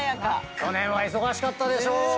去年は忙しかったでしょ。